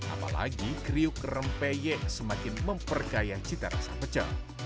apalagi kriuk rempeyek semakin memperkaya cita rasa pecel